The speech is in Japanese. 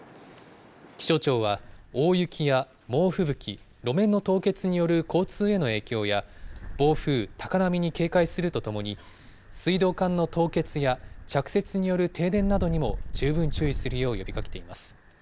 気象庁は大雪や猛吹雪、路面の凍結による交通への影響や、暴風、高波に警戒するとともに、水道管の凍結や着雪による停電などにも十分注意するよう呼びかけています。